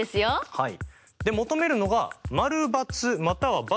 はい。